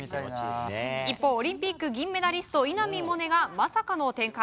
一方、オリンピック銀メダリスト稲見萌寧がまさかの展開。